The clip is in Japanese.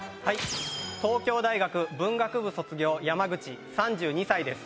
東京大学文学部卒業山口３２歳です。